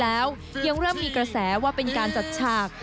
แล้วยังเริ่มมีกระแสว่าเป็นการจัดฉาก